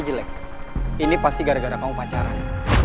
jelek ini pasti gara gara kamu pacaran